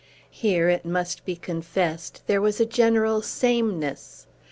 Here, it must be confessed, there was a general sameness.